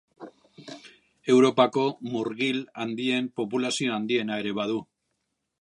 Europako murgil handien populazio handiena ere badu.